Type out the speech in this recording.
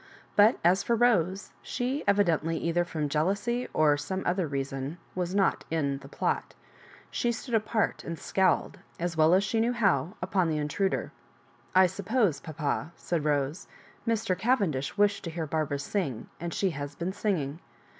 But as for Rose, she evidently, either from jealousy or some other reason, was not m the plot. She stood apart and scowled, as well as she knew how, upon the intruder. "I suppose, papa,'* said Rose, Mr. Cavendish wished to bear Bar bara sing, and she has been singing.